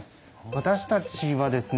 私たちはですね